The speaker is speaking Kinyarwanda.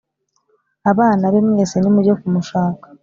abana be mwese nimujye kumushaka